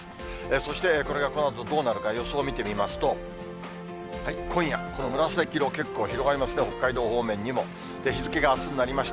そして、これがこのあとどうなるか、予想を見てみますと、今夜、この紫色、結構広がりますね、北海道方面にも。日付があすになりました。